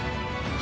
あ！